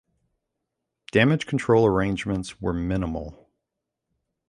Damage control arrangements were minimal.